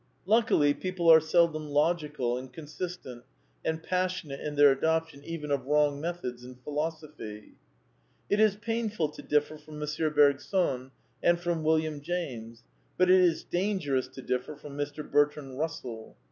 Luckily, people are seldom logical, and consistent, and passionate in their adoption even of wrong methods in Philosophy. It is painful to differ from M. Bergson and from William James; but it is dangerous to differ from Mr. Bertrand Bussell.